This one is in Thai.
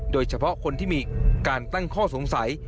โดยเฉพาะคนที่มีการตั้งข้อสงสัย